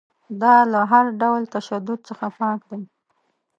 دا له هر ډول تشدد څخه پاک دی.